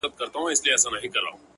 ورباندي وځړوې؛